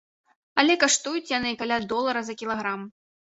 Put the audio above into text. Але каштуюць яны каля долара за кілаграм.